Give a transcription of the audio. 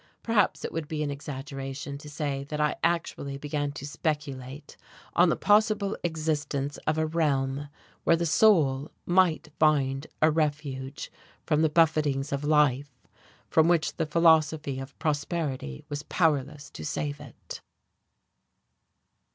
Perhaps it would be an exaggeration to say that I actually began to speculate on the possible existence of a realm where the soul might find a refuge from the buffetings of life, from which the philosophy of prosperity was powerless to save it....